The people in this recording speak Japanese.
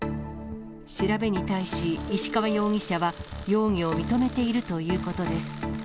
調べに対し、石川容疑者は、容疑を認めているということです。